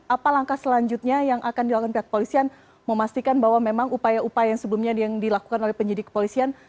apa langkah selanjutnya yang akan dilakukan pihak polisian memastikan bahwa memang upaya upaya yang sebelumnya yang dilakukan oleh penyidik kepolisian